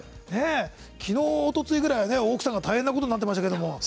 昨日、おとといぐらい奥さんが大変なことになってましたけど。